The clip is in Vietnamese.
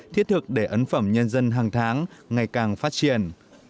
thiết thực để ấn phẩm nhân dân hàng tháng ngày càng phát triển